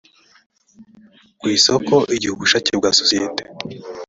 ku isoko igihe ubushake bwa sosiyete